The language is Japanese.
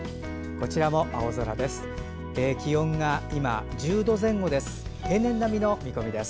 こちらも青空です。